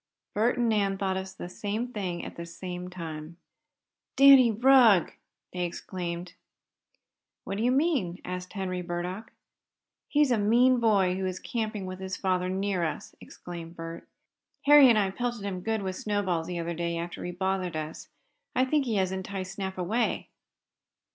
Bert and Nan thought of the same thing at the same time. "Danny Rugg!" they exclaimed. "What do you mean?" asked Henry Burdock. "He's a mean boy who is camping with his father near us," explained Bert. "Harry and I pelted him good with snowballs the other day, after he bothered us. I think he has enticed Snap away."